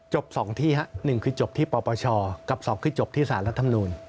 จบสองที่ครับหนึ่งคือจบที่ปปชกับสองคือจบที่ศาลรัฐมนูล